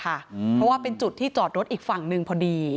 เพราะว่าเป็นจุดที่จอดรถอีกฝั่งหนึ่งพอดี